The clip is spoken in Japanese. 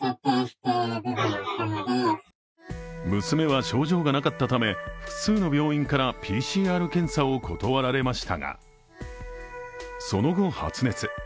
娘は症状がなかったため、複数の病院からＰＣＲ検査を断られましたがその後、発熱。